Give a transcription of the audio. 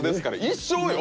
一生よ。